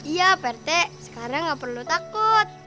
iya pak rete sekarang gak perlu takut